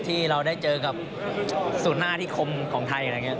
ที่เราได้เจอกับสูตรหน้าที่คมของไทย